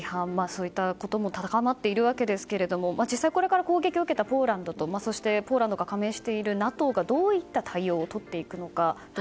そういったことも高まっているわけですが実際これから攻撃を受けたポーランドと、ポーランドが加盟しているＮＡＴＯがどういった対応をとっていくか。